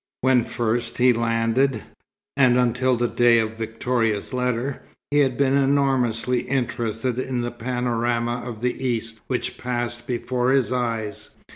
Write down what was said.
When first he landed, and until the day of Victoria's letter, he had been enormously interested in the panorama of the East which passed before his eyes.